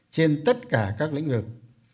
trên tất cả các lĩnh vực